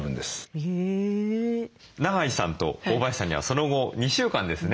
長井さんと大林さんにはその後２週間ですね